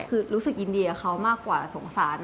คือรู้สึกยินดีกับเขามากกว่าสงสาร